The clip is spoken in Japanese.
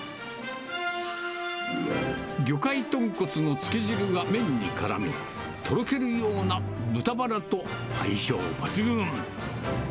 魚介豚骨のつけ汁が麺にからみ、とろけるような豚バラと相性抜群。